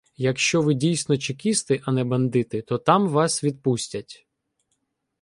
Якщо ви дійсно чекісти, а не бандити, то там вас відпустять.